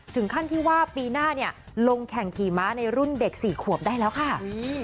ถึงขั้นที่ว่าปีหน้าเนี่ยลงแข่งขี่ม้าในรุ่นเด็ก๔ขวบได้แล้วค่ะ